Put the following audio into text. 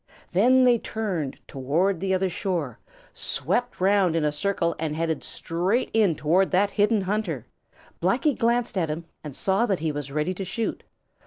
Then they turned toward the other shore, swept around in a circle and headed straight in toward that hidden hunter. Blacky glanced at him and saw that he was ready to shoot.